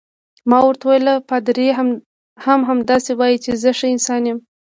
ما ورته وویل: پادري هم همداسې وایي چې زه ښه انسان یم.